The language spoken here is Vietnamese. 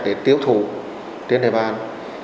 để tiêu thụ tiến địa bàn